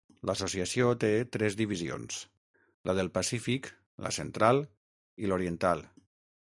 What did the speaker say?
L'associació té tres divisions: la del Pacífic, la Central i l'Oriental.